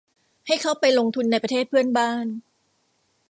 ให้เข้าไปลงทุนในประเทศเพื่อนบ้าน